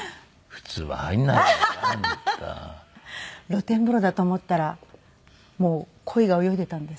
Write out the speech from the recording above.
露天風呂だと思ったらもうコイが泳いでいたんです。